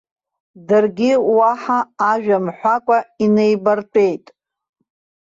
Даргьы уаҳа ажәа мҳәакәа инеибартәеит.